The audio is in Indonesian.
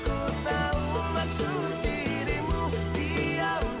aku tahu maksud dirimu